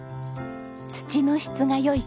土の質が良い